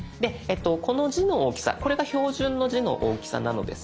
この字の大きさこれが標準の字の大きさなのですが。